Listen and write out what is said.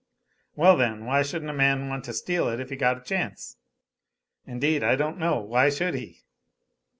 "Well, then, why shouldn't a man want to steal it if he got a chance?" "Indeed I don't know. Why should he?"